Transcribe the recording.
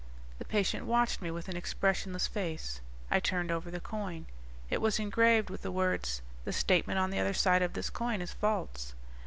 The patient watched me with an expressionless face; I turned over the coin. It was engraved with the words: THE STATEMENT ON THE OTHER SIDE OF THIS COIN IS FALSE.